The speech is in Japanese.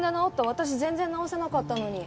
私全然直せなかったのに。